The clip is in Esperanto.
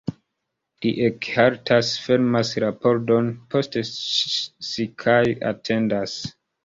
Li ekhaltas, fermas la pordon post si kaj atendas.